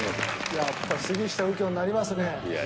やっぱ杉下右京になりますね。